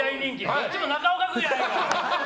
どっちも中岡君やないか！